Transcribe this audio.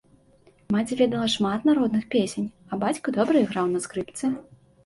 Маці ведала шмат народных песень, а бацька добра іграў на скрыпцы.